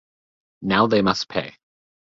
Now they must pay.